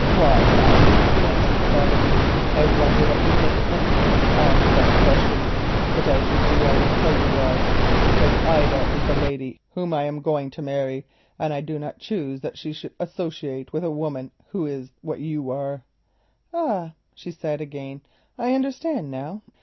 "Why not?" he answered savagely. "I wonder that you think it necessary to ask such a question, but as you do I will tell you why. Because Ida is the lady whom I am going to marry, and I do not choose that she should associate with a woman who is what you are." "Ah!" she said again, "I understand now."